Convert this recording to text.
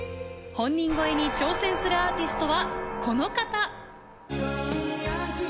本人超えに挑戦するアーティストはこの方。